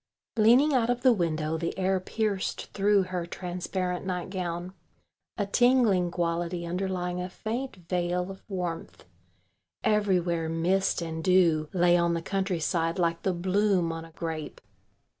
Leaning out of the window the air pierced through her transparent nightgown a tingling quality underlying a faint veil of warmth. Everywhere mist and dew lay on the countryside like the bloom on a grape.